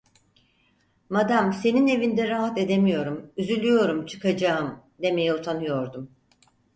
Madam, senin evinde rahat edemiyorum, üzülüyorum, çıkacağım! demeye utanıyordum.